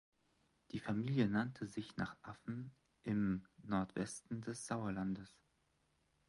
Die Familie nannte sich nach Affeln im Nordwesten des Sauerlandes.